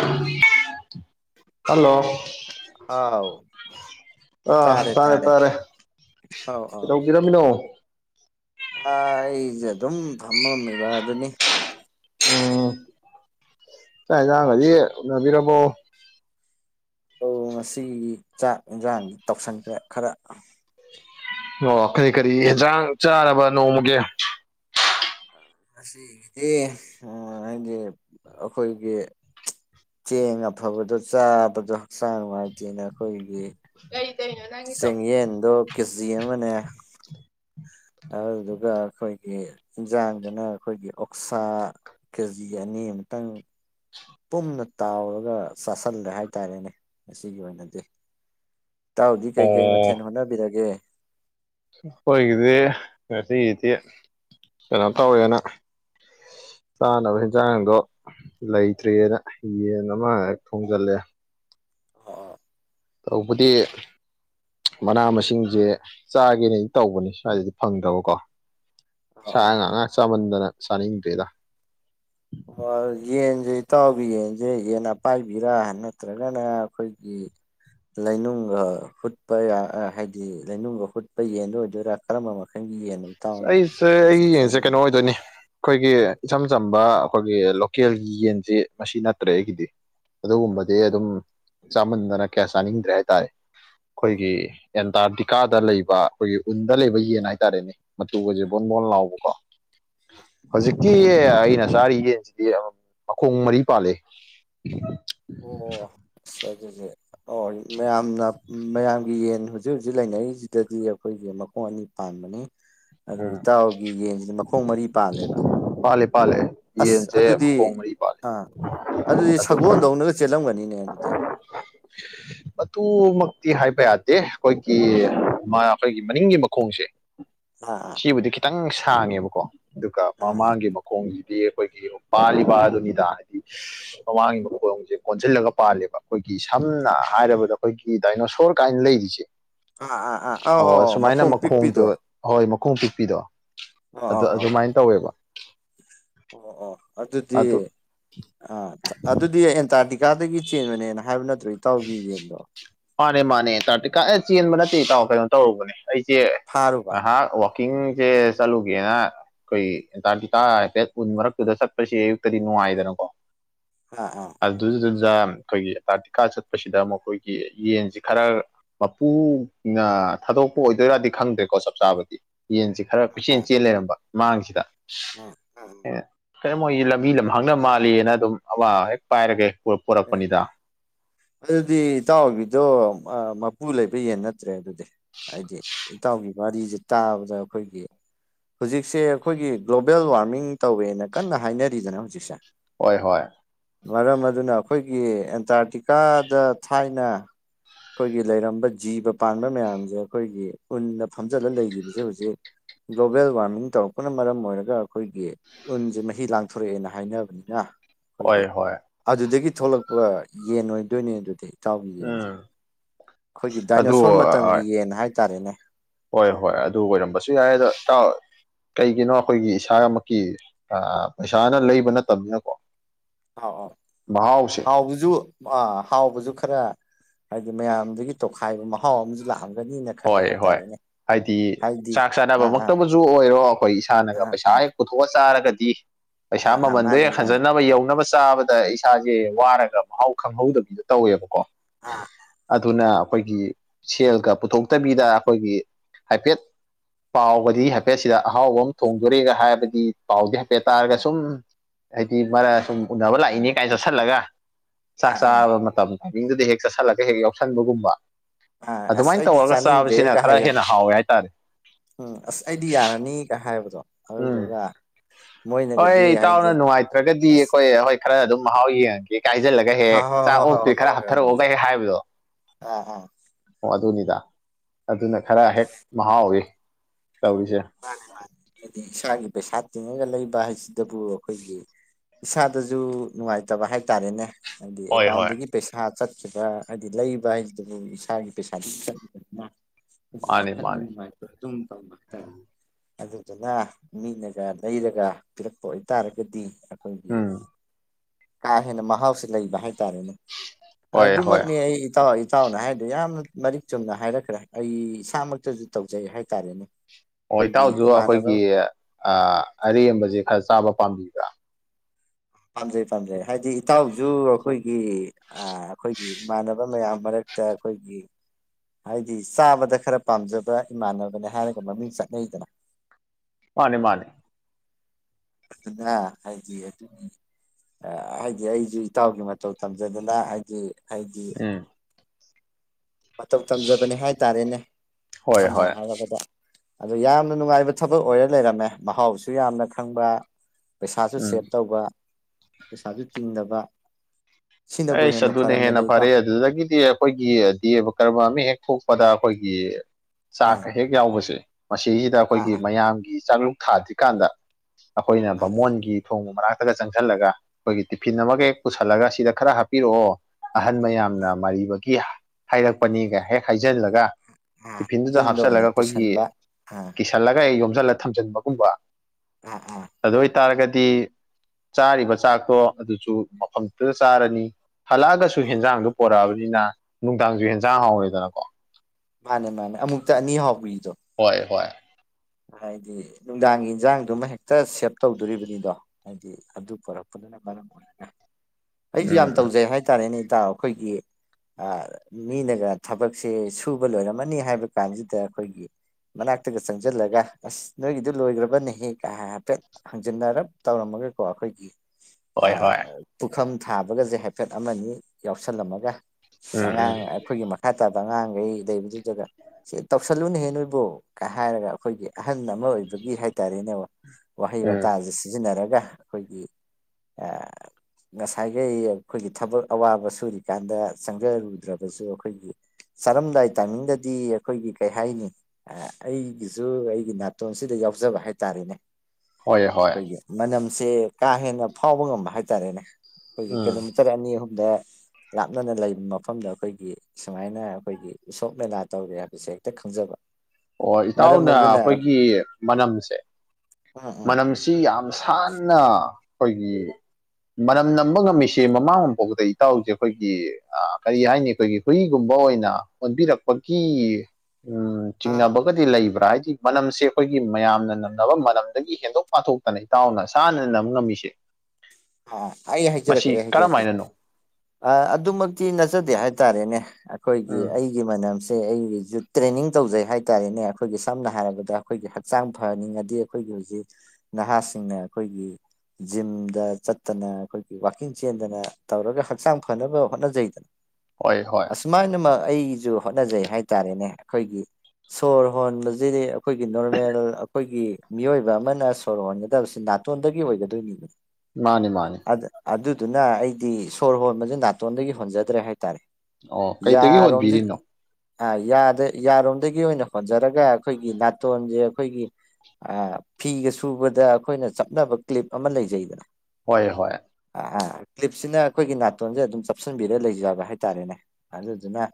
[unintelligible] hello ꯍꯥꯎ ꯑꯥ ꯇꯥꯔꯦ ꯇꯥꯔꯦ ꯑꯥꯎ ꯀꯩꯗꯧꯕꯤꯔꯝꯃꯤꯅꯣ ꯑ ꯑꯩꯁꯦ ꯑꯗꯨꯝ ꯐꯝꯃꯝꯃꯤꯕ ꯑꯗꯨꯅꯤ ꯎꯝ ꯆꯥꯛ ꯏꯟꯖꯥꯡꯒꯗꯤ ꯎꯅꯕꯤꯔꯕꯣ ꯑꯣ ꯉꯁꯤꯒꯤ ꯆꯥꯛ ꯌꯦꯟꯁꯥꯡꯗꯤ ꯇꯧꯁꯟꯈ꯭ꯔꯦ ꯈꯔ ꯑꯣ ꯀꯔꯤ ꯀꯔꯤ ꯌꯦꯟꯖꯥꯡ ꯆꯥꯔꯕ ꯅꯣꯡꯃꯒꯤ ꯑꯁꯤꯒꯤꯗꯤ ꯎ ꯍꯥꯏꯗꯤ ꯑꯩꯈꯣꯏꯒꯤ ꯆꯦꯡ ꯑꯐꯕꯗꯣ ꯆꯥꯕꯗꯣ ꯍꯛꯆꯥꯡ ꯅꯨꯡꯉꯥꯏꯇꯦꯅ ꯑꯩꯈꯣꯏꯒꯤ ꯀꯔꯤ ꯇꯧꯔꯤꯅꯣ ꯅꯪ ꯆꯦꯡ ꯌꯦꯟꯗꯣ ꯀꯦꯖꯤ ꯑꯃꯅꯦ ꯑꯗꯨꯗꯨꯒ ꯑꯩꯈꯣꯏꯒꯤ ꯏꯟꯖꯥꯡꯗꯨꯅ ꯑꯩꯈꯣꯏꯒꯤ ꯑꯣꯛꯁꯥ ꯀꯦꯖꯤ ꯑꯅꯤꯃꯨꯛꯇꯪ ꯄꯨꯝꯅ ꯇꯥꯎꯔꯒ ꯆꯥꯁꯜꯂꯦ ꯍꯥꯏꯇꯥꯔꯦꯅꯦ ꯑꯁꯤꯒꯤ ꯑꯣꯏꯅꯗꯤ ꯏꯇꯥꯎꯗꯤ ꯀꯩꯀꯩ ꯃꯊꯦꯟ ꯍꯣꯠꯅꯕꯤꯔꯒꯦ ꯑꯩꯈꯣꯏꯒꯤꯗꯤ ꯉꯁꯤꯒꯤꯗꯤ ꯀꯩꯅꯣ ꯇꯧꯋꯦꯅ- ꯆꯥꯅꯕ ꯍꯦꯟꯖꯥꯡꯗꯣ ꯂꯩꯇ꯭ꯔꯦꯅ ꯌꯦꯟ ꯑꯃ ꯍꯦꯛ ꯊꯣꯡꯖꯜꯂꯦ ꯑꯣ ꯇꯧꯕꯨꯗꯤ ꯃꯅꯥ ꯃꯁꯤꯡꯁꯦ ꯆꯥꯒꯦꯅ ꯇꯧꯕꯅꯤ ꯁ꯭ꯋꯥꯏꯗꯗꯤ ꯐꯪꯗꯕꯀꯣ ꯁꯥ ꯑꯣ ꯉꯥ ꯉꯥꯛ ꯆꯥꯃꯟꯗꯅ ꯆꯥꯅꯤꯡꯗ꯭ꯔꯦꯗ ꯑꯣ [inaudible] ꯑꯣ ꯌꯦꯟꯁꯦ ꯏꯇꯥꯎꯒꯤ ꯌꯦꯟꯁꯦ ꯌꯦꯟ ꯑꯄꯥꯏꯕꯤꯔꯥ ꯅꯠꯇ꯭ꯔꯒꯅ ꯑꯩꯈꯣꯏꯒꯤ ꯂꯩꯅꯨꯡꯒ ꯍꯨꯠꯄ ꯍꯥꯏꯗꯤ ꯂꯩꯅꯨꯡꯒ ꯍꯨꯠꯄ ꯌꯦꯟꯗꯣ ꯑꯣꯏꯗꯣꯏꯔꯥ ꯀꯔꯝꯕ ꯃꯈꯜꯒꯤ ꯌꯦꯟꯅꯣ ꯏꯇꯥꯎꯅ ꯑꯩꯁꯦ ꯑꯩ ꯉꯁꯤ ꯌꯦꯡꯁꯦ ꯀꯩꯅꯣ ꯆꯥꯕꯤꯔꯤꯅꯣ ꯑꯣꯏꯗꯣꯏꯅꯤ ꯑꯩꯈꯣꯏꯒꯤ ꯏꯆꯝ ꯆꯝꯕ ꯑꯩꯈꯣꯏꯒꯤ ꯂꯣꯀꯦꯜꯒꯤ ꯌꯦꯟꯁꯦ ꯃꯁꯤ ꯅꯠꯇ꯭ꯔꯦ ꯑꯩꯒꯤꯗꯤ ꯑꯗꯨꯒꯨꯝꯕꯗꯤ ꯑꯗꯨꯝ ꯆꯥꯃꯟꯗꯅ ꯀꯌꯥ ꯆꯥꯅꯤꯡꯗ꯭ꯔꯦ ꯍꯥꯏꯇꯥꯔꯦ ꯑꯩꯈꯣꯏꯒꯤ ꯑꯦꯟꯇꯥꯔꯇꯤꯀꯥꯗ ꯂꯩꯕ ꯑꯩꯈꯣꯏꯒꯤ ꯎꯟꯗ ꯂꯩꯕ ꯌꯦꯟ ꯍꯥꯏꯇꯥꯔꯦꯅꯦ ꯃꯇꯨꯒꯁꯦ ꯕꯣꯟꯕꯣꯟ ꯂꯥꯎꯕꯀꯣ ꯍꯧꯖꯤꯛꯀꯤ ꯑꯩꯅ ꯆꯥꯔꯤ ꯌꯦꯟꯁꯤꯗꯤ ꯃꯈꯣꯡ ꯃꯔꯤ ꯄꯥꯜꯂꯦ [unintelligible] [unintelligible] ꯑꯣ ꯃꯌꯥꯝꯅ ꯃꯌꯥꯝꯒꯤ ꯌꯦꯟ ꯍꯧꯖꯤ ꯍꯧꯖꯤꯛ ꯍꯧꯖꯤꯛ ꯂꯩꯅꯔꯤꯁꯤꯗꯗꯤ ꯑꯩꯈꯣꯏꯒꯤ ꯃꯈꯣꯡ ꯑꯅꯤ ꯄꯥꯟꯕꯅꯤ ꯑꯗꯣ ꯎꯝ ꯏꯇꯥꯎꯒꯤ ꯌꯦꯟꯁꯤꯅ ꯃꯈꯣꯡ ꯃꯔꯤ ꯄꯥꯜꯂꯦꯕ ꯄꯥꯂꯦ ꯑꯁ ꯌꯦꯟꯁꯦ ꯑꯗꯨꯗꯤ ꯃꯈꯣꯡ ꯃꯔꯤ ꯄꯥꯜꯂꯤ ꯑꯥ ꯑꯗꯨꯗꯤ ꯑꯗꯨꯒ ꯁꯒꯣꯜꯗꯧꯅꯒ ꯆꯦꯜꯂꯝꯒꯅꯤꯅꯦ ꯑꯗꯨꯗꯤ ꯑꯥ [unintelligible] [unintelligible] ꯑꯗꯨꯃꯛꯇꯤ ꯍꯥꯏꯕ ꯌꯥꯗꯦ ꯑꯩꯈꯣꯏꯒꯤ ꯃꯥ ꯑꯩꯈꯣꯏꯒꯤ ꯃꯅꯤꯡꯒꯤ ꯃꯈꯣꯡꯁꯦ ꯍꯥ ꯁꯤꯕꯨꯗꯤ ꯈꯤꯇꯪ ꯁꯥꯡꯉꯦꯕꯀꯣ ꯑꯗꯨꯒ ꯑꯥ ꯑꯥ ꯃꯃꯥꯡꯒꯤ ꯃꯈꯣꯡꯁꯤꯗꯤ ꯑꯩꯈꯣꯏꯒꯤ ꯄꯥꯜꯂꯤꯕ ꯑꯗꯨꯅꯤꯗ ꯍꯥꯏꯗꯤ ꯃꯃꯥꯡꯒꯤ ꯈꯣꯡꯁꯦ ꯀꯣꯟꯁꯤꯜꯂꯒ ꯄꯥꯜꯂꯦꯕ ꯑꯩꯈꯣꯏꯒꯤ ꯁꯝꯅ ꯍꯥꯏꯔꯕꯗ ꯑꯩꯈꯣꯏꯒꯤ ꯗꯥꯏꯅꯣꯁꯣꯔ ꯀꯥꯏꯅ ꯂꯩꯔꯤꯁꯦ ꯑꯥ ꯑꯥ ꯑꯥ ꯑꯧ ꯑꯣ ꯑ ꯑꯧ ꯁꯨꯃꯥꯏꯅ ꯃꯈꯣꯡ ꯄꯤꯛꯄꯤꯗꯣ ꯃꯈꯣꯡꯗꯣ ꯍꯣꯏ ꯃꯈꯣꯡ ꯄꯤꯛꯄꯤꯗꯣ ꯑꯗꯨ ꯑꯣ ꯑ ꯑ ꯑꯗꯨꯃꯥꯏꯅ ꯇꯧꯋꯦꯕ ꯑꯣ ꯑꯣ ꯑꯗꯨꯗꯤ ꯑꯗꯨ ꯑ ꯑꯗꯨꯗꯤ ꯑꯦꯟꯇꯥꯔꯇꯤꯀꯥꯗꯒꯤ ꯆꯦꯟꯕꯅꯦꯅ ꯍꯥꯏꯕ ꯅꯠꯇ꯭ꯔꯣ ꯏꯇꯥꯎꯒꯤ ꯌꯦꯟꯗꯣ ꯃꯥꯅꯦ ꯃꯥꯅꯦꯥ ꯑꯦꯟꯇꯥꯔꯇꯤ ꯀꯥ ꯆꯦꯟꯕ ꯅꯠꯇꯦ ꯏꯇꯥꯎ ꯀꯩꯅꯣ ꯇꯧꯔꯨꯕꯅꯦ ꯑꯩꯁꯦ ꯐꯥꯔꯨꯕ ꯉꯥꯏꯍꯥꯛ ꯋꯥ ꯀꯤꯡꯁꯦ ꯆꯠꯂꯨꯒꯦꯅ ꯑꯩꯈꯣꯏ ꯑꯦꯟꯇꯥꯔꯇꯤꯊꯥ ꯍꯥꯏꯐꯦꯠ ꯎꯟ ꯃꯔꯛꯇꯨꯗ ꯆꯠꯄꯁꯤ ꯑꯌꯨꯛꯇꯗꯤ ꯅꯨꯡꯉꯥꯏꯗꯅꯀꯣ ꯑꯥ ꯑꯥ ꯑꯗꯨꯗꯨꯗꯨꯗ ꯑꯩꯈꯣꯏꯒꯤ ꯑꯦꯟꯇꯥꯔꯇꯤꯀꯥ ꯆꯠꯄꯁꯤꯗ ꯃꯈꯣꯏꯒꯤ ꯌꯦꯟꯁꯤ ꯈꯔ ꯃꯄꯨꯅ ꯊꯥꯗꯣꯛꯄ ꯑꯣꯏꯗꯣꯏꯔꯗꯤ ꯈꯪꯗ꯭ꯔꯦꯀꯣ ꯆꯞ ꯆꯥꯕꯗꯤ ꯌꯦꯟꯁꯤꯦ ꯈꯔ ꯑꯥ ꯀꯣꯏꯆꯦꯟ ꯆꯦꯟ ꯂꯩꯔꯝꯕ ꯃꯥꯡꯁꯤꯗ ꯑꯥ ꯀꯔꯤ ꯃꯣꯏꯁꯤ ꯂꯝꯕꯤ ꯂꯝ ꯍꯥꯡꯅꯕ ꯃꯥꯜꯂꯤꯅ ꯑꯗꯨꯝ ꯑꯃ ꯍꯦꯛ ꯄꯥꯏꯔꯒꯦ ꯑꯦ ꯄꯣꯔꯛꯄꯅꯤꯗ ꯑꯗꯨꯗꯤ ꯏꯇꯥꯎꯕꯤꯗꯣ ꯃꯄꯨ ꯂꯩꯕ ꯌꯦꯟ ꯅꯠꯇ꯭ꯔꯦ ꯑꯗꯨꯗꯤ ꯍꯥꯏꯗꯤ ꯏꯇꯥꯎꯒꯤ ꯔꯤꯁꯤꯦ ꯇꯥꯕꯗ ꯑꯩꯈꯣꯏꯒꯤ ꯍꯧꯖꯤꯛꯁꯦ ꯑꯩꯈꯣꯏꯒꯤ ꯒ꯭ꯂꯣꯕꯦꯜ ꯋꯥꯔꯃꯤꯡ ꯇꯧꯋꯦꯅ ꯀꯟꯅ ꯍꯥꯏꯅꯔꯤꯗꯅ ꯍꯧꯖꯤꯛꯁꯦ ꯍꯣꯏ ꯍꯣꯏ ꯃꯔꯝ ꯑꯗꯨꯅ ꯑꯩꯈꯣꯏꯒꯤ ꯑꯦꯟꯇꯥꯔꯇꯤꯀꯥꯗ ꯊꯥꯏꯅ ꯑꯩꯈꯣꯏꯒꯤ ꯂꯩꯔꯝꯕ ꯖꯤꯕ ꯄꯥꯟꯕ ꯃꯌꯥꯝꯁꯦ ꯑꯩꯈꯣꯏꯒꯤ ꯎꯟꯅ ꯐꯝꯖꯤꯜꯂ ꯂꯩꯈꯤꯕꯁꯦ ꯍꯧꯖꯤꯛ ꯒ꯭ꯂꯣꯕꯦꯜ ꯋꯥꯔꯃꯤꯡ ꯇꯧꯔꯛꯄꯅ ꯃꯔꯝ ꯑꯣꯏꯔꯒ ꯑꯩꯈꯣꯏꯒꯤ ꯎꯟꯁꯦ ꯃꯍꯤ ꯂꯥꯡꯊꯣꯔꯛꯑꯦꯅ ꯍꯥꯏꯅꯕꯅꯤꯅ ꯍꯣꯏ ꯑꯩꯈꯣꯏꯒꯤ ꯍꯣꯏ ꯑꯗꯨꯗꯒꯤ ꯊꯣꯛꯂꯛꯄ ꯌꯦꯟ ꯑꯣꯏꯗꯣꯏꯅꯦ ꯑꯗꯨꯗꯤ ꯏꯆꯥꯎꯒꯤ ꯌꯦꯟꯁꯦ ꯎꯝ ꯑꯩꯈꯣꯏꯒꯤ ꯑꯗꯨ ꯗꯥꯏꯅꯣꯁꯣꯔ ꯃꯇꯝꯒꯤ ꯌꯦꯟ ꯍꯥꯏꯇꯥꯔꯦꯅꯦ ꯍꯣꯏ ꯍꯣꯏ ꯑꯗꯨ ꯑꯣꯏꯔꯝꯕꯁꯨ ꯌꯥꯏ ꯑꯗꯣ ꯀꯩꯒꯤꯅꯣ ꯑꯩꯈꯣꯏꯒꯤ ꯏꯁꯥꯃꯛ ꯄꯩꯁꯥꯅ ꯂꯩꯕ ꯅꯠꯇꯕꯅꯤꯅꯀꯣ ꯑꯥꯎ ꯑꯥꯎ ꯃꯍꯥꯎꯁꯦ ꯍꯥꯎ ꯕꯨꯖꯨ ꯑꯥ ꯍꯥꯎꯕꯁꯨ ꯈꯔ ꯍꯥꯏꯗꯤ ꯃꯌꯥꯝꯗꯒꯤ ꯇꯣꯈꯥꯏꯕ ꯃꯍꯥꯎ ꯑꯃꯁꯨ ꯂꯥꯛꯑꯃꯦ ꯍꯣꯏ ꯍꯣꯏ ꯍꯥꯏꯗꯤ ꯍꯥꯏꯗꯤ ꯆꯥꯛ ꯑꯥ ꯑꯥ ꯆꯥꯅꯕꯃꯛꯇꯕꯨꯁꯨ ꯑꯣꯏꯔꯣ ꯑꯩꯈꯣꯏ ꯏꯁꯥꯅꯒ ꯑꯥ ꯄꯩꯁꯥ ꯍ ꯑꯥ ꯄꯨꯊꯣꯛꯑ ꯆꯥꯔꯒꯗꯤ ꯄꯩꯁꯥ ꯑꯥ ꯑꯥ ꯃꯃꯟꯗꯣ ꯃꯥꯅꯦ ꯍꯦꯛ ꯃꯥꯅꯦ ꯍꯟꯖꯅꯕ ꯌꯧꯅꯕ ꯆꯥꯕꯗ ꯏꯁꯥꯁꯦ ꯋꯥꯔꯒ ꯃꯍꯥꯎ ꯈꯪꯍꯧꯗꯕꯤꯗꯣ ꯇꯧꯋꯦꯕꯀꯣ ꯑꯥ ꯑꯗꯨꯅ ꯑꯩꯈꯣꯏꯒꯤ ꯁꯦꯜꯒ ꯄꯨꯊꯣꯛꯇꯕꯤꯗ ꯑꯩꯈꯣꯏꯒꯤ ꯍꯥꯏꯐꯦꯠ ꯄꯥꯎꯒꯗꯤ ꯍꯥꯏꯐꯦꯠ ꯁꯤꯗ ꯑꯍꯥꯎꯕ ꯑꯃ ꯊꯣꯡꯗꯣꯔꯒ ꯍꯥꯏꯕꯗꯤ ꯄꯥꯎꯗꯤ ꯍꯥꯏꯐꯦꯠ ꯇꯥꯔꯒ ꯁꯨꯝ ꯍꯥꯏꯗꯤ ꯃꯔ ꯁꯨꯝ ꯎꯅꯕ ꯂꯥꯛꯏꯅꯦ ꯀꯥꯏꯅ ꯆꯠꯁꯤꯜꯂꯒ ꯆꯥꯛ ꯑꯥ ꯑꯥ ꯆꯥꯕ ꯃꯇꯝ ꯇꯥꯏꯃꯤꯡꯗꯨꯗ ꯍꯦꯛ ꯆꯠꯁꯤꯜꯂꯒ ꯍꯦꯛ ꯌꯥꯎꯁꯟꯕꯒꯨꯝꯕ ꯑ ꯑꯦꯁ ꯑ ꯊꯑꯒ ꯆꯥꯕꯁꯤꯅ ꯈꯔ ꯍꯦꯟꯅ ꯍꯥꯎꯋꯦ ꯍꯥꯏꯇꯥꯔꯦ ꯎꯝ ꯑꯁ ꯑꯩꯗꯤ ꯌꯥꯔꯅꯤꯒ ꯍꯥꯏꯕꯗꯣ ꯎꯝ ꯑꯗꯨꯗꯨꯒ ꯃꯣꯏꯅꯒꯗꯤ ꯍꯣꯏ ꯏꯇꯥꯎꯅ ꯍꯥꯏꯗꯤ ꯅꯨꯡꯉꯥꯏꯇ꯭ꯔꯒꯗꯤ ꯑꯁ ꯑꯩꯈꯣꯏ ꯍꯣꯏ ꯈꯔ ꯑꯗꯨꯝ ꯃꯍꯥꯎ ꯌꯦꯡꯉꯒꯦ ꯀꯥꯏꯁꯤꯜꯂꯒ ꯍꯦꯛ ꯍꯣꯏ ꯆꯥꯛ ꯍꯣꯏ ꯑꯣꯛꯇꯨꯤ ꯈꯔ ꯍꯥꯞꯊꯔꯛꯑꯣꯒ ꯍꯦꯛ ꯍꯥꯏꯕꯗꯣ ꯑ ꯍ ꯑꯣ ꯑꯗꯨꯅꯤꯗ ꯑꯗꯨꯅ ꯈꯔ ꯍꯦꯛ ꯃꯍꯥꯎꯋ ꯇꯧꯔꯤꯁꯦ ꯃꯥꯅꯦ ꯃꯥꯅꯦ ꯍꯥꯏꯗꯤ ꯏꯁꯥꯒꯤ ꯄꯩꯁꯥ ꯇꯤꯡꯉꯒ ꯂꯩꯕ ꯍꯥꯏꯁꯤꯗꯕꯨ ꯑꯩꯈꯣꯏꯒꯤ ꯏꯁꯥꯗꯁꯨ ꯅꯨꯡꯉꯥꯏꯇꯕ ꯍꯥꯏꯇꯥꯔꯦꯅꯦ ꯍꯥꯏꯗꯤ ꯍꯣꯏ ꯍꯣꯏ ꯑꯦꯀꯥꯎꯟꯗꯒꯤ ꯄꯩꯁꯥ ꯆꯠꯈꯤꯕ ꯍꯥꯏꯗꯤ ꯂꯩꯕ ꯍꯥꯏꯁꯤꯕꯨ ꯏꯁꯥꯒꯤ ꯄꯩꯁꯥꯗꯤ ꯆꯠꯈꯤꯕꯅꯤꯅ ꯑꯗꯨ ꯃꯥꯅꯤ ꯋꯥꯈꯠ ꯃꯥꯅꯤ ꯅꯨꯡꯉꯥꯏ ꯑꯗꯨ ꯇꯧ ꯑꯗꯨꯗꯨꯅ ꯃꯤꯅꯒ ꯂꯩꯔꯒ ꯄꯤꯔꯛꯄ ꯑꯣꯏꯇꯥꯔꯒꯗꯤ ꯑꯩꯈꯣꯏꯒꯤ ꯎꯝ ꯀꯥ ꯍꯦꯟꯅ ꯃꯍꯥꯎꯁꯦ ꯂꯩꯕ ꯍꯥꯏꯇꯥꯔꯦꯅꯦ ꯍꯣꯏ ꯍꯣꯏ ꯑꯗꯨꯃꯛꯅꯦ ꯑꯩ ꯏꯇꯥꯎ ꯆꯥꯎꯅ ꯍꯥꯏꯔꯗꯤ ꯌꯥꯝꯅ ꯃꯔꯤꯛ ꯆꯨꯝꯅ ꯍꯥꯏꯔꯛꯈ꯭ꯔꯦ ꯑꯩ ꯏꯁꯥꯃꯛꯇꯁꯨ ꯇꯧꯖꯩ ꯍꯥꯏꯇꯥꯔꯦꯅꯦ ꯑꯣ ꯑꯩꯈꯣꯏꯒꯤ ꯏꯇꯥꯎꯁꯨ ꯏꯃꯥꯟꯅꯕ ꯑꯩꯈꯣꯏꯒꯤ ꯑꯔꯦꯝꯕꯁꯦ ꯈꯔ ꯆꯥꯕ ꯄꯥꯝꯕꯤꯌꯨ ꯄꯥꯝꯖꯩ ꯄꯥꯝꯖꯩ ꯍꯥꯏꯗꯤ ꯏꯇꯥꯎꯁꯨ ꯑꯩꯈꯣꯏꯒꯤ ꯑꯩꯈꯣꯏ ꯏꯃꯥꯟꯅꯕ ꯃꯌꯥꯝ ꯃꯔꯛꯇ ꯑꯩꯈꯣꯏꯒꯤ ꯍꯥꯏꯗꯤ ꯆꯥꯕꯗ ꯈꯔ ꯄꯥꯝꯖꯕ ꯏꯃꯥꯟꯅꯕꯅꯦ ꯍꯥꯏꯔꯒ ꯃꯃꯤꯡ ꯆꯠꯅꯩꯗꯅ ꯃꯥꯅꯤ ꯃꯥꯅꯤ ꯌꯥ ꯍꯥꯏꯗꯤ ꯑꯗꯨ ꯍꯥꯏꯗꯤ ꯑꯩꯁꯨ ꯏꯇꯥꯎꯒꯤ ꯃꯇꯧ ꯊꯝꯖꯗꯅ ꯍꯥꯏꯗꯤ ꯍꯥꯏꯗꯤ ꯎꯝ ꯃꯇꯧ ꯇꯝꯖꯕꯅꯦ ꯍꯥꯏꯇꯥꯔꯦꯅꯦ ꯍꯣꯏ ꯁꯝꯅ ꯍꯣꯏ ꯍꯥꯏꯔꯕ ꯑ ꯑꯗꯣ ꯌꯥꯝꯅ ꯅꯨꯡꯉꯥꯏꯕ ꯊꯕꯛ ꯑꯣꯏꯔ ꯂꯩꯔꯝꯃꯦ ꯃꯍꯥꯎꯁꯨ ꯌꯥꯝꯅ ꯈꯪꯕ ꯄꯩꯁꯥꯁꯨ ꯎꯝ ꯁꯦꯚ ꯇꯧꯕ ꯄꯩꯁꯥꯁꯨ ꯇꯤꯡꯗꯕ ꯁꯤꯅꯕꯨ ꯑꯩꯁ ꯑꯗꯨꯅ ꯍꯦꯟꯅ ꯐꯔꯝꯃꯦꯗ ꯐꯔꯦ ꯏꯇꯥꯎ ꯑꯗꯨꯗꯒꯤꯗꯤ ꯑꯩꯈꯣꯏꯒꯤ ꯗꯦꯕ ꯀꯔꯕꯥꯔ ꯑꯃ ꯍꯦꯛ ꯊꯣꯛꯄꯗ ꯑꯩꯈꯣꯏꯒꯤ ꯑꯥ ꯆꯥꯛꯀ ꯍꯦꯛ ꯌꯥꯎꯕꯁꯦ ꯃꯁꯤꯁꯤꯗ ꯑꯥ ꯑꯩꯈꯣꯏꯒꯤ ꯑꯥ ꯃꯌꯥꯝꯒꯤ ꯀꯥꯡꯂꯨꯞ ꯊꯥꯗ꯭ꯔꯤꯀꯥꯟꯗ ꯑꯩꯈꯣꯏꯅ ꯑꯥ ꯚꯃꯣꯟꯒꯤ ꯊꯣꯡꯕ ꯃꯅꯥꯛꯇꯒ ꯆꯪꯁꯤꯜꯂꯒ ꯑꯩꯈꯣꯏꯒꯤ ꯇꯤꯐꯤꯟ ꯑꯃꯒ ꯍꯦꯛ ꯄꯨꯁꯜꯂꯒ ꯁꯤꯗ ꯈꯔ ꯍꯥꯞꯄꯤꯔꯛꯑꯣ ꯑꯍꯟ ꯃꯌꯥꯝꯅ ꯃꯔꯤꯕꯒꯤ ꯍꯥꯏꯔꯛꯄꯅꯤꯒ ꯍꯦꯛ ꯍꯥꯏꯖꯤꯜꯂꯒ ꯑꯥ ꯇꯤꯐꯤꯟꯗꯨꯗ ꯌꯨꯝꯗ ꯑꯣꯏꯅ ꯍꯥꯞꯆꯜꯂꯒ ꯑꯩꯈꯣꯏꯒꯤ ꯄꯨꯁꯟꯕ ꯑꯥ ꯀꯤꯁꯜꯂꯒ ꯌꯣꯝꯁꯤꯜꯂꯒ ꯊꯝꯖꯤꯟꯕꯒꯨꯝꯕ ꯑ ꯑꯥ ꯑꯗꯨ ꯑꯣꯏꯇꯥꯔꯒꯗꯤ ꯆꯥꯔꯤꯕ ꯆꯥꯛꯇꯣ ꯑꯗꯨꯁꯨ ꯃꯐꯝꯗꯨꯗ ꯆꯥꯔꯅꯤ ꯍꯜꯂꯛꯑꯒꯁꯨ ꯍꯦꯟꯖꯥꯡꯗ ꯄꯣꯔꯛꯑꯕꯅꯤꯅ ꯅꯨꯡꯗꯥꯡꯁꯨ ꯍꯦꯟꯖꯥꯡ ꯍ ꯍꯧꯔꯦꯗꯅꯀꯣ ꯃꯥꯅꯦ ꯃꯥꯅꯦ ꯑꯃꯨꯛꯇ ꯑꯅꯤ ꯍꯥꯎꯕꯗꯣ ꯍꯣꯏ ꯍꯣꯏ ꯍꯥꯏꯗꯤ ꯅꯨꯡꯗꯥꯡꯒꯤ ꯏꯟꯖꯥꯡꯗꯨꯃ ꯍꯦꯛꯇ ꯁꯦꯞ ꯇꯧꯗꯣꯔꯤꯕꯅꯤꯗꯣ ꯍꯥꯏꯗꯤ ꯑꯗꯨ ꯄꯨꯔꯛꯄꯗꯨꯅ ꯃꯔꯝ ꯑꯣꯏꯔꯒ ꯑꯩꯁꯨ ꯎꯝ ꯌꯥꯝ ꯎꯝ ꯇꯧꯖꯩ ꯍꯥꯏꯇꯥꯔꯦꯅꯦ ꯏꯇ ꯑꯩꯈꯣꯏꯒꯤ ꯃꯤꯅꯒ ꯊꯕꯛꯁꯦ ꯁꯨꯕ ꯂꯣꯏꯔꯝꯃꯅꯤ ꯍꯥꯏꯕ ꯀꯥꯟꯁꯤꯗ ꯑꯩꯈꯣꯏꯒꯤ ꯃꯅꯥꯛꯇꯒ ꯆꯪꯁꯤꯜꯂꯒ ꯑꯁ ꯅꯣꯏꯒꯤꯗꯨ ꯂꯣꯏꯈ꯭ꯔꯕꯅꯍꯦ ꯀꯥ ꯍꯥꯏꯐꯦꯠ ꯍꯪꯖꯤꯟꯅꯔꯞ ꯇꯧꯔꯝꯃꯒꯦꯀꯣ ꯑꯩꯈꯣꯏꯒꯤ ꯍꯣꯏ ꯍꯣꯏ ꯄꯨꯈꯝ ꯊꯥꯕꯒꯁꯦ ꯍꯥꯏꯐꯦꯠ ꯑꯃꯅꯤ ꯌꯥꯎꯁꯜꯂꯝꯃꯒ ꯎꯝ ꯎꯝ ꯆꯉꯥꯡ ꯑꯩꯈꯣꯏꯒꯤ ꯃꯈꯥ ꯇꯥꯕ ꯑꯉꯥꯡꯈꯩ ꯂꯩꯕꯗꯨꯗꯒ ꯁꯤ ꯇꯧꯁꯜꯂꯨꯅꯍꯦ ꯅꯣꯏꯕꯨꯣ ꯀ ꯍꯥꯏꯔꯒ ꯑꯩꯈꯣꯏꯒꯤ ꯑꯍꯟ ꯑꯃ ꯑꯣꯏꯕꯒꯤ ꯍꯥꯏꯇꯥꯔꯦꯅꯦꯕ ꯋꯥꯍꯩ ꯎꯝ ꯋꯥꯇꯥꯁꯦ ꯁꯤꯖꯤꯟꯅꯔꯒ ꯑꯩꯈꯣꯏꯒꯤ ꯉꯁꯥꯏꯈꯩ ꯑꯩꯈꯣꯏꯒꯤ ꯊꯕꯛ ꯑꯋꯥꯕ ꯁꯨꯔꯤꯀꯥꯟꯗ ꯆꯪꯖꯔꯨꯗ꯭ꯔꯕꯁꯨ ꯑꯩꯈꯣꯏꯒꯤ ꯆꯠꯔꯝꯗꯥꯏ ꯇꯥꯏꯃꯤꯡꯗꯗꯤ ꯑꯩꯈꯣꯏꯒꯤ ꯀꯩ ꯍꯥꯏꯅꯤ ꯑꯩꯒꯤ ꯖꯨ ꯑꯩꯒꯤ ꯅꯥꯇꯣꯟꯁꯤꯗ ꯌꯥꯎꯖꯕ ꯍꯥꯏꯇꯥꯔꯦꯅꯦ ꯍꯣꯏ ꯍꯣꯏ ꯑꯩꯈꯣꯏꯒꯤ ꯃꯅꯝꯁꯦ ꯀꯥ ꯍꯦꯟꯅ ꯐꯥꯎꯕ ꯉꯝꯕ ꯍꯥꯏꯇꯥꯔꯦꯅꯦ ꯑꯩꯈꯣꯏꯒꯤ ꯎꯝ ꯀꯤꯂꯣꯃꯤꯇꯔ ꯑꯅꯤ ꯑꯍꯨꯝꯗ ꯂꯥꯞꯅꯅ ꯂꯩꯕ ꯃꯐꯝꯗ ꯑꯩꯈꯣꯏꯒꯤ ꯁꯨꯃꯥꯏꯅ ꯑꯩꯈꯣꯏꯒꯤ ꯎꯁꯣꯛꯞ ꯂꯤꯂꯥ ꯇꯧꯔꯦ ꯍꯥꯏꯕꯁꯦ ꯍꯦꯛꯇ ꯈꯪꯖꯕ ꯑꯣ ꯃꯔꯝ ꯏꯇꯥꯎꯅ ꯑꯗꯨꯅ ꯑꯩꯈꯣꯏꯒꯤ ꯃꯅꯝꯁꯦ ꯎꯝ ꯎꯝ ꯃꯅꯝꯁꯤ ꯌꯥꯝ ꯁꯥꯟꯅ ꯑꯩꯈꯣꯏꯒꯤ ꯃꯅꯝ ꯅꯝꯕ ꯉꯝꯃꯤꯁꯦ ꯃꯃꯥꯡ ꯐꯥꯎꯕꯗ ꯏꯇꯥꯎꯁꯦ ꯑꯩꯈꯣꯏꯒꯤ ꯀꯔꯤ ꯍꯥꯏꯅꯤ ꯑꯩꯈꯣꯏꯒꯤ ꯐꯨꯔꯤꯒꯨꯝꯕ ꯑꯣꯏꯅ ꯑꯣꯟꯕꯤꯔꯛꯄꯒꯤ ꯎ ꯑꯥ ꯆꯤꯡꯅꯕꯒꯗꯤ ꯂꯩꯕ꯭ꯔꯥ ꯍꯥꯏꯗꯤ ꯃꯅꯝꯁꯦ ꯑꯩꯈꯣꯏꯒꯤ ꯃꯌꯥꯝꯅ ꯅꯝꯅꯕ ꯃꯅꯝ ꯗꯒꯤ ꯍꯦꯟꯗꯣꯛ ꯄꯥꯊꯣꯛꯇꯅ ꯏꯇꯥꯎꯅ ꯁꯥꯟꯅꯅꯕꯝ ꯉꯝꯃꯤꯁꯦ ꯑ ꯑꯩ ꯍꯩꯖꯔꯦ ꯃꯁꯤ ꯍꯩꯖꯔꯀꯦ ꯀꯔꯝꯍꯥꯏꯅꯅꯣ ꯑ ꯑꯗꯨꯃꯛꯇꯤ ꯅꯠꯆꯗꯦ ꯍꯥꯏꯇꯥꯔꯦꯅꯦ ꯑꯩꯈꯣꯏꯒꯤ ꯎꯝ ꯑꯩ ꯑꯩꯒꯤ ꯃꯅꯝꯁꯦ ꯑꯩꯒꯤꯁꯨ ꯇ꯭ꯔꯦꯅꯤꯡ ꯇꯧꯖꯩ ꯍꯥꯏꯇꯥꯔꯦꯅꯦ ꯑꯩꯈꯣꯏꯒꯤ ꯁꯝꯅ ꯍꯥꯏꯔꯕꯗ ꯑꯩꯈꯣꯏꯒꯤ ꯍꯛꯆꯥꯡ ꯐꯍꯟꯅꯤꯡꯉꯗꯤ ꯑꯩꯈꯣꯏꯒꯤ ꯍꯧꯖꯤꯛ ꯅꯍꯥꯁꯤꯡꯅ ꯑꯩꯈꯣꯏꯒꯤ ꯖꯤꯝꯗ ꯆꯠꯇꯅ ꯑꯩꯈꯣꯏꯒꯤ ꯋꯥꯛꯀꯤꯡ ꯆꯦꯟꯗꯅ ꯇꯧꯔꯒ ꯍꯛꯆꯥꯡ ꯐꯅꯕ ꯍꯣꯠꯅꯖꯩꯗꯅ ꯍꯣꯏ ꯍꯣꯏ ꯑꯁꯨꯃꯥꯏꯅꯃꯛ ꯑꯩꯁꯨ ꯍꯣꯠꯅꯖꯩ ꯍꯥꯏꯇꯥꯔꯦꯅꯦ ꯑꯩꯈꯣꯏꯒꯤ ꯁꯣꯔ ꯍꯣꯟꯕꯁꯤꯗꯤ ꯑꯩꯈꯣꯏꯒꯤ ꯅꯣꯔꯃꯦꯜ ꯑꯩꯈꯣꯏꯒꯤ ꯃꯤꯑꯣꯏꯕ ꯑꯃꯅ ꯁꯣꯔ ꯍꯣꯟꯒꯗꯕꯁꯤ ꯅꯥ ꯏꯁꯇꯣꯟꯗꯒꯤ ꯑꯣꯏꯒꯗꯣꯏꯅꯤꯅꯦ ꯃꯥꯅꯤ ꯃꯥꯅꯤ ꯑꯗꯨꯗꯨꯅ ꯑꯩꯗꯤ ꯁꯣꯔ ꯍꯣꯟꯕꯁꯦ ꯅꯥꯇꯣꯟꯗꯒꯤ ꯍꯣꯟꯖꯗ꯭ꯔꯦ ꯍꯥꯏꯇꯥꯔꯦ ꯑꯣ ꯀꯩꯗꯒꯤ ꯌꯥꯔ ꯔꯣꯟꯖꯤꯠ ꯍꯣꯟꯕꯤꯔꯤꯅꯣ ꯑ ꯌꯥꯔꯣꯝꯗꯒꯤ ꯑꯣꯏꯅ ꯍꯣꯟꯖꯔꯒ ꯑꯩꯈꯣꯏꯒꯤ ꯅꯥꯇꯣꯟꯁꯦ ꯑꯩꯈꯣꯏꯒꯤ ꯑ ꯐꯤꯒ ꯁꯨꯕꯗ ꯑꯩꯈꯣꯏꯅ ꯆꯞꯅꯕ ꯀ꯭ꯂꯤꯞ ꯑꯃ ꯂꯩꯖꯩꯕꯅ ꯍꯣꯏ ꯍꯣꯏ ꯑ ꯀ꯭ꯂꯤꯞꯁꯤꯅ ꯑꯩꯈꯣꯏꯒꯤ ꯅꯥꯇꯣꯟꯁꯦ ꯑꯗꯨꯝ ꯆꯞꯁꯤꯟꯕꯤꯔꯒ ꯂꯩꯖꯕ ꯍꯥꯏꯇꯥꯔꯦꯅꯦ ꯑꯗꯨꯗꯨꯅ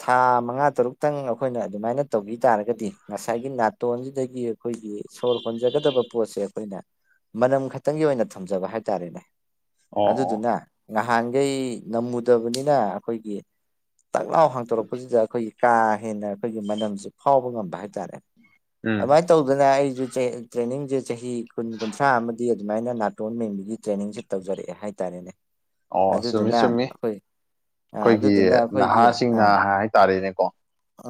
ꯊꯥ ꯃꯉꯥ ꯇꯔꯨꯛꯇꯪ ꯑꯩꯈꯣꯏꯅ ꯑꯗꯨꯃꯥꯏꯅ ꯇꯧꯕꯤ ꯇꯥꯔꯒꯗꯤ ꯉꯁꯥꯏꯒꯤ ꯅꯥꯇꯣꯟꯁꯤꯗꯒꯤ ꯑꯩꯈꯣꯏꯒꯤ ꯁꯣꯔ ꯍꯣꯟꯖꯒꯗꯕ ꯄꯣꯠꯁꯦ ꯑꯩꯈꯣꯏꯅ ꯃꯅꯝ ꯈꯛꯇꯪꯒꯤ ꯑꯣꯏꯅ ꯊꯝꯖꯕ ꯍꯥꯏꯇꯥꯔꯦꯅꯦ ꯑꯣ ꯑꯣ ꯑꯗꯨꯗꯨꯅ ꯉꯍꯥꯟꯈꯩ ꯅꯝꯃꯨꯗꯕꯅꯤꯅ ꯑꯩꯈꯣꯏꯒꯤ ꯇꯛꯂꯥꯎ ꯍꯥꯡꯇꯣꯔꯛꯄꯁꯤꯗ ꯑꯩꯈꯣꯏꯒꯤ ꯀꯥ ꯍꯦꯟꯅ ꯑꯩꯈꯣꯏꯒꯤ ꯃꯅꯝꯁꯤ ꯐꯥꯎꯕ ꯉꯝꯕ ꯍꯥꯏꯇꯥꯔꯦ ꯎꯝ ꯑꯗꯨꯃꯥꯏꯅ ꯇꯧꯗꯅ ꯑꯩꯁꯨ ꯇ꯭ꯔꯦꯅꯤꯡꯁꯦ ꯆꯍꯤ ꯀꯨꯟ ꯀꯨꯟꯊ꯭ꯔꯥ ꯑꯃꯗꯤ ꯑꯗꯨꯃꯥꯏꯅ ꯅꯥ ꯣꯟ ꯃꯦꯟꯕꯒꯤ ꯇ꯭ꯔꯦꯅꯤꯡꯁꯦ ꯇꯧꯖꯔꯛꯑꯦ ꯍꯥꯏꯇꯥꯔꯦꯅꯦ ꯑꯣ ꯆꯨꯝꯃꯤ ꯑꯗꯨꯗꯨꯅ ꯆꯨꯝꯃꯤ ꯑꯩꯈꯣꯏ ꯑ ꯑꯩꯈꯣꯏꯒꯤ ꯑꯗꯨꯗꯨꯅ ꯑꯩꯈꯣꯏꯒꯤ ꯅꯍꯥꯁꯤꯡꯅ ꯑꯥ ꯍꯥꯏꯇꯥꯔꯦꯅꯦꯀꯣ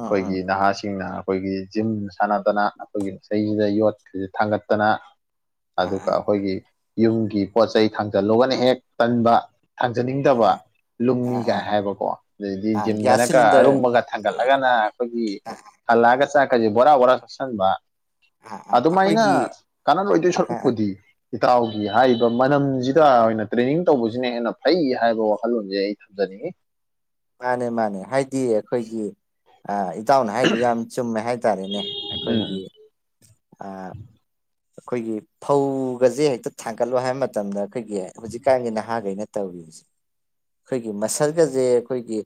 ꯑꯥ ꯑꯥ ꯅꯍꯥꯁꯤꯡꯅ ꯑꯩꯈꯣꯏꯒꯤ ꯖꯤꯝ ꯁꯥꯟꯅꯗꯅ ꯑꯩꯈꯣꯏꯒꯤ ꯏꯁꯩꯁꯤꯗ ꯌꯣꯠꯁꯤ ꯊꯥꯡꯒꯠꯇꯅ ꯑꯥ ꯑꯗꯨꯒ ꯑꯩꯈꯣꯏꯒꯤ ꯌꯨꯝꯒꯤ ꯄꯣꯠ ꯆꯩꯩ ꯊꯥꯡꯖꯜꯂꯨꯒꯅ ꯍꯦꯛ ꯇꯟꯕ ꯊꯥꯡꯖꯅꯤꯡꯗꯕ ꯑꯥ ꯑꯥ ꯂꯨꯝꯃꯤꯒꯥꯏ ꯍꯥꯏꯕꯀꯣ ꯑꯗꯨꯗꯗꯤ ꯑꯥ ꯒ꯭ꯌꯥꯁ ꯖꯤꯝꯗꯅꯀ ꯁꯤꯂꯤꯟꯗꯔ ꯑꯔꯨꯝꯕꯒ ꯑꯥ ꯊꯥꯡꯒꯠꯂꯒꯅ ꯑꯩꯈꯣꯏꯒꯤ ꯍꯜꯂꯛꯑꯒ ꯆꯥꯛꯀꯁꯦ ꯕꯣꯔꯥ ꯕꯣꯔꯥ ꯆꯥꯁꯤꯟꯕ ꯑꯥ ꯑꯥ ꯑꯥ ꯑꯗꯨꯃꯥꯏꯅ ꯑꯩꯈꯣꯏꯒꯤ ꯀꯥꯟꯅ ꯂꯣꯏꯗꯣꯏ ꯑꯥ ꯑꯥ ꯁꯣꯔꯨꯛꯄꯨꯗꯤ ꯏꯇꯥꯎꯒꯤ ꯍꯥꯏꯔꯤꯕ ꯃꯅꯝꯁꯤꯗ ꯑꯣꯏꯅ ꯇ꯭ꯔꯦꯅꯤꯡ ꯇꯧꯕꯁꯤ ꯁꯤꯅ ꯍꯦꯟꯅ ꯐꯩ ꯍꯥꯏꯕ ꯋꯥꯈꯜꯂꯣꯟꯁꯦ ꯑꯩ ꯊꯝꯖꯅꯤꯡꯉꯤ ꯃꯥꯅꯦ ꯃꯥꯅꯦ ꯍꯥꯏꯗꯤ ꯑꯩꯈꯣꯏꯒꯤ ꯑ ꯏꯇꯥꯎꯅ ꯍꯥꯏꯗꯨꯣ ꯌꯥꯝ ꯆꯨꯝꯃꯦ ꯍꯥꯏ ꯍꯥꯏꯇꯥꯔꯦꯅꯦ ꯎꯝ ꯑꯩꯈꯣꯏꯒꯤ ꯑꯩꯈꯣꯏꯒꯤ ꯐꯧꯒꯁꯦ ꯍꯦꯛꯇ ꯊꯥꯡꯒꯠꯂꯣ ꯍꯥꯏꯕ ꯃꯇꯝꯗ ꯑꯩꯈꯣꯏꯒꯤ ꯍꯧꯖꯤꯛꯀꯥꯟꯒꯤ ꯅꯍꯥꯈꯩꯅ ꯇꯧꯔꯤ ꯍꯧꯁꯦ ꯑꯩꯈꯣꯏꯒꯤ ꯃꯁꯜꯒꯁꯦ ꯑꯩꯈꯣꯏꯒꯤ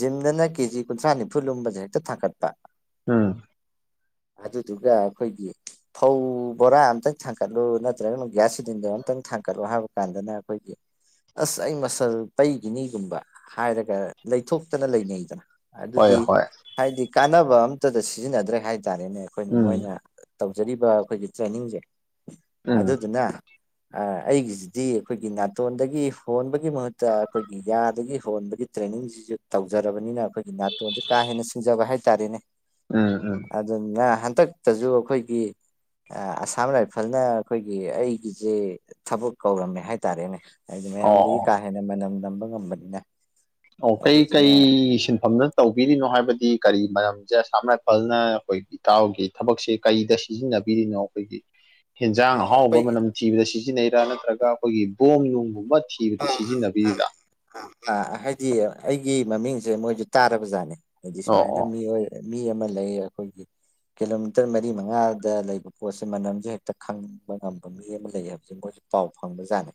ꯖꯤꯝꯗꯅ ꯀꯦꯖꯤ ꯀꯨꯟꯊ꯭ꯔꯥ ꯅꯤꯐꯨ ꯂꯨꯝꯕꯁꯦ ꯍꯦꯛꯇ ꯊꯥꯒꯠꯄ ꯎꯝ ꯑꯗꯨꯗꯨꯒ ꯑꯩꯈꯣꯏꯗꯤ ꯐꯧ ꯕꯣꯔꯥ ꯑꯃꯇꯪ ꯊꯥꯡꯀꯠꯂꯨ ꯅꯠꯇ꯭ꯔꯒꯅ ꯒ꯭ꯌꯥꯁ ꯁꯤꯂꯤꯟꯗꯔ ꯑꯃꯇꯪ ꯊꯥꯡꯀꯠꯂꯨ ꯍꯥꯏꯕ ꯀꯥꯟꯗꯅ ꯑꯩꯈꯣꯏꯒꯤ ꯑꯁ ꯑꯩ ꯃꯁꯜ ꯇꯩꯒꯤꯅꯤꯒꯨꯝꯕ ꯍꯥꯏꯔꯒ ꯂꯩꯊꯣꯛꯇꯅ ꯂꯩꯅꯩꯗꯅ ꯍꯣꯏ ꯑꯗꯨꯗꯤ ꯍꯣꯏ ꯍꯥꯏꯗꯤ ꯀꯥꯟꯅꯕ ꯑꯝꯇꯗ ꯁꯤꯖꯤꯟꯅꯗ꯭ꯔꯦ ꯍꯥꯏꯇꯥꯔꯦꯅꯦ ꯑꯩꯈꯣꯏꯅ ꯎꯝ ꯃꯣꯏꯅ ꯇꯧꯖꯔꯤꯕ ꯑꯩꯈꯣꯏꯒꯤ ꯇ꯭ꯔꯦꯅꯤꯡꯁꯦ ꯎꯝ ꯑꯗꯨꯗꯨꯅ ꯑ ꯑꯩꯒꯤꯁꯤꯗꯤ ꯑꯩꯈꯣꯏꯒꯤ ꯅꯥꯇꯣꯟꯗꯒꯤ ꯍꯣꯟꯕꯒꯤ ꯃꯍꯨꯠꯇ ꯑꯩꯈꯣꯏꯒꯤ ꯌꯥꯗꯒꯤ ꯍꯣꯟꯕꯒꯤ ꯇ꯭ꯔꯦꯟꯅꯤꯡꯁꯤꯁꯨ ꯇꯧꯖꯔꯕꯅꯤꯅ ꯑꯩꯈꯣꯏꯒꯤ ꯅꯥꯇꯣꯟꯁꯦ ꯀꯥ ꯍꯦꯟꯅ ꯁꯤꯡꯖꯕ ꯍꯥꯏꯇꯥꯔꯦꯅꯦ ꯎꯝ ꯎꯝ ꯑꯗꯨꯅ ꯍꯟꯗꯛꯇꯁꯨ ꯑꯩꯈꯣꯏꯒꯤ ꯑꯁꯥꯝ ꯔꯥꯏꯐꯜꯅ ꯑꯩꯈꯣꯏꯒꯤ ꯑꯩꯒꯤꯁꯦ ꯊꯕꯛ ꯀꯧꯔꯝꯃꯦ ꯍꯥꯏꯇꯥꯔꯦꯅꯦ ꯍꯥꯏꯗꯤ ꯑꯣ ꯃꯌꯥꯝꯗꯒꯤ ꯑꯣ ꯀꯥ ꯍꯦꯟꯅ ꯃꯅꯝ ꯅꯝꯕ ꯉꯝꯕꯅꯤꯅ ꯑꯣ ꯀꯩ ꯑꯗꯨꯗꯨꯅ ꯀꯩ ꯁꯤꯟꯐꯝꯅ ꯇꯧꯕꯤꯔꯤꯅꯣ ꯍꯥꯏꯕꯗꯤ ꯀꯔꯤ ꯃꯔꯝꯁꯦ ꯑꯁꯥꯝ ꯔꯥꯏꯐꯜꯅ ꯑꯩꯈꯣꯏ ꯇꯥꯎꯒꯤꯦ ꯊꯕꯛꯁꯦ ꯀꯔꯤꯗ ꯁꯤꯖꯤꯟꯅꯕꯤꯔꯤꯅꯣ ꯑꯩꯈꯣꯏꯒꯤ ꯍꯦꯟꯖꯥꯡ ꯑꯍꯥꯎꯕ ꯑꯩꯈꯣꯏ ꯃꯅꯝ ꯊꯤꯕꯗ ꯁꯤꯖꯤꯟꯅꯩꯔꯥ ꯅꯠꯇ꯭ꯔꯒ ꯑꯩꯈꯣꯏꯒꯤ ꯕꯣꯝ ꯅꯨꯡꯒꯨꯝꯕ ꯊꯕꯗ ꯁꯤꯖꯤꯟꯅꯕꯤꯔꯤꯗ ꯍꯥꯏꯗꯤ ꯑꯩꯒꯤ ꯃꯃꯤꯡꯁꯦ ꯃꯣꯏꯁꯨ ꯇꯥꯔꯕ ꯖꯥꯠꯅꯦ ꯍꯥꯏꯗꯤ ꯑꯣ ꯁꯨꯃꯥꯏꯅ ꯑꯣ ꯃꯤꯑꯣꯏ ꯃꯤ ꯑꯃ ꯂꯩ ꯑꯩꯈꯣꯏꯒꯤ ꯀꯤꯂꯣꯃꯤꯇꯔ ꯃꯔꯤ ꯃꯉꯥꯗ ꯂꯩꯕ ꯄꯣꯠꯁꯦ ꯃꯅꯝꯁꯦ ꯍꯦꯛꯇ ꯈꯪꯕ ꯉꯝꯕ ꯃꯤ ꯑꯃ ꯂꯩ ꯍꯥꯏꯕꯁꯦ ꯃꯣꯏ ꯄꯥꯎ ꯐꯪꯕꯖꯅꯤ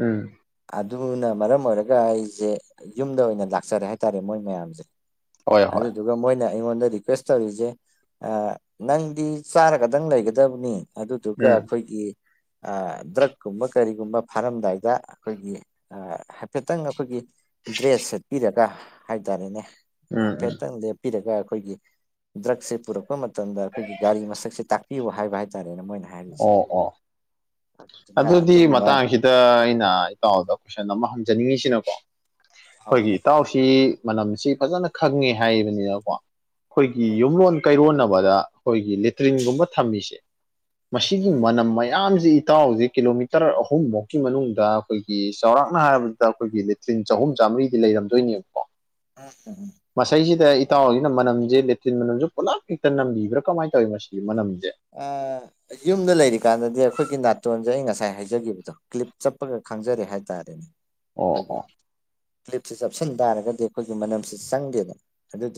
ꯎꯝ ꯑꯗꯨꯅ ꯃꯔꯝ ꯑꯣꯏꯔꯒ ꯑꯩꯁꯦ ꯌꯨꯝꯗ ꯑꯣꯏꯅ ꯂꯥꯛꯆꯔꯦ ꯍꯥꯏꯇꯥꯔꯦ ꯃꯣꯏ ꯃꯌꯥꯝꯁꯦ ꯍꯣꯏ ꯑꯗꯨ ꯍꯣꯏ ꯑꯗꯨ ꯑꯗꯨꯒ ꯃꯣꯏꯅ ꯑꯩꯉꯣꯟꯗ ꯔꯤꯀ꯭ꯋꯦꯁ ꯇꯧꯔꯤꯁꯦ ꯅꯪꯗꯤ ꯆꯥꯔꯒꯗꯪ ꯂꯩꯒꯗꯕꯅꯤ ꯑꯗꯨꯗꯨꯒ ꯎꯝ ꯑꯩꯈꯣꯏꯒꯤ ꯗ꯭ꯔꯛꯀꯨꯝꯕ ꯀꯔꯤꯒꯨꯝꯕ ꯐꯥꯔꯝꯗꯥꯏꯗ ꯑꯩꯈꯣꯏꯒꯤ ꯍꯥꯏꯐꯦꯠꯇꯪ ꯑꯩꯈꯣꯏꯒꯤ ꯗ꯭ꯔꯦꯁ ꯁꯦꯠꯄꯤꯔꯒ ꯍꯥꯏꯇꯥꯔꯦꯅꯦ ꯎꯝ ꯎꯝ ꯍꯥꯏꯐꯦꯠꯇꯪ ꯄꯤꯔꯒ ꯑꯩꯈꯣꯏꯒꯤ ꯗ꯭ꯔꯛꯁꯦ ꯄꯨꯔꯛꯄ ꯃꯇꯝꯗ ꯑꯩꯈꯣꯏꯒꯤ ꯒꯥꯔꯤ ꯃꯁꯛꯁꯦ ꯇꯥꯛ ꯄꯤꯌꯨ ꯍꯥꯏꯕ ꯍꯥꯏꯇꯥꯔꯦꯅꯦ ꯃꯣꯏꯅ ꯑꯣ ꯑꯣ ꯑꯗꯨꯅ ꯑꯗꯨꯝꯕ ꯗ ꯑꯩꯅ ꯏꯇꯥꯎꯗ ꯀꯣꯏꯁꯟ ꯑꯃ ꯍꯪꯖꯅꯤꯡꯉꯤꯁꯤꯅꯀꯣ ꯑꯩꯈꯣꯏꯒꯤ ꯏꯇꯥꯎꯁꯤ ꯃꯅꯝꯁꯤ ꯐꯖꯅ ꯈꯪꯉꯦ ꯍꯥꯏꯕꯅꯤꯅꯀꯣ ꯑꯩꯈꯣꯏꯒꯤ ꯌꯨꯝꯂꯣꯟ ꯀꯩꯔꯣꯟꯅꯕꯗ ꯑꯩꯈꯣꯏꯒꯤ ꯂꯦꯇ꯭ꯔꯤꯟꯒꯨꯝꯕ ꯊꯝꯃꯤꯁꯦ ꯃꯁꯤꯒꯤ ꯃꯅꯝ ꯃꯌꯥꯝꯖꯤ ꯏꯇꯥꯎꯖꯤ ꯀꯤꯂꯣꯃꯤꯇꯔ ꯑꯍꯨꯝꯕꯧꯀꯤ ꯃꯅꯨꯡꯗ ꯑꯩꯈꯣꯏꯒꯤ ꯆꯥꯎꯔꯥꯛꯅ ꯍꯥꯏꯔꯕꯗꯨꯗ ꯑꯩꯈꯣꯏꯒꯤ ꯂꯦꯇ꯭ꯔꯤꯟ ꯆꯍꯨꯝ ꯆꯥꯝꯃꯔꯤꯗꯤ ꯂꯩꯔꯝꯗꯣꯏꯅꯦꯕꯀꯣ [unintelligible] ꯃꯁꯩꯖꯤꯗ ꯏꯇꯥꯎꯖꯤꯅ ꯃꯅꯝꯖꯦ ꯂꯦꯇ꯭ꯔꯤꯟ ꯃꯅꯝꯖꯦ ꯄꯨꯂꯞ ꯍꯦꯛꯇ ꯅꯝꯕꯤꯕ꯭ꯔꯥ ꯀꯃꯥꯏꯟ ꯇꯧꯋꯤ ꯃꯁꯤꯒꯤ ꯃꯅꯝꯖꯦ ꯑꯥ ꯌꯨꯝꯗ ꯂꯩꯔꯤꯀꯥꯟꯗꯗꯤ ꯑꯩꯈꯣꯏꯒꯤ ꯅꯥꯇꯣꯟꯖꯦ ꯑꯩ ꯉꯁꯥꯏ ꯍꯥꯏꯖꯒꯤꯕꯗꯣ ꯀ꯭ꯂꯤꯞ ꯆꯞꯄꯒ ꯈꯪꯖꯔꯦ ꯍꯥꯏꯇꯥꯔꯦ ꯗꯨꯅꯤ ꯑꯣ ꯑꯣ ꯀ꯭ꯂꯤꯞꯁꯤ ꯆꯞꯁꯤꯟ ꯇꯥꯔꯒꯗꯤ ꯑꯩꯈꯣꯏꯒꯤ ꯃꯅꯝꯁꯤ ꯆꯪꯗꯦꯕ ꯑꯗꯨꯗꯨꯅ